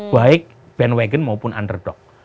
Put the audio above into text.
baik bandwagon maupun underdog